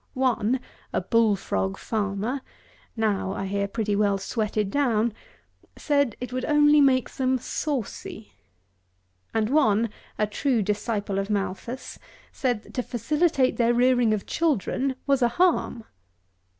One, a bullfrog farmer (now, I hear, pretty well sweated down,) said it would only make them saucy! And one, a true disciple of Malthus, said, that to facilitate their rearing of children was a harm!